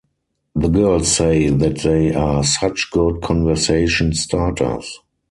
The girls say that they are such good conversation starters.